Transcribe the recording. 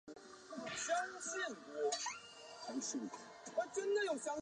该路为台中市东区与南区二区的区界。